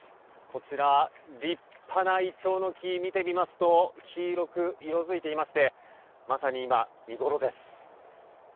こちら、立派なイチョウの木見てみますと黄色く色づいていましてまさに今、見ごろです。